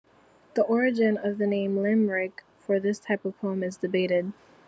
The origin of the name "limerick" for this type of poem is debated.